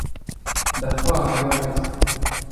da c'hoar a gares.